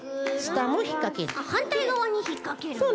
はんたいがわにひっかけるのか。